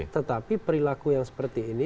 tetapi perilaku yang seperti ini